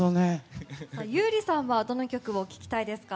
優里さんはどの曲を聴きたいですか？